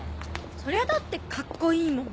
そりゃだってカッコいいもん。